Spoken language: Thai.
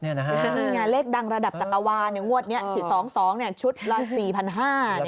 นี่ไงเลขดังระดับจักรวาลงวดนี้๒๒ชุดละ๔๕๐๐บาท